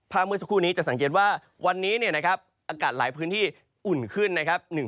เมื่อสักครู่นี้จะสังเกตว่าวันนี้เนี่ยนะครับอากาศหลายพื้นที่อุ่นขึ้นนะครับ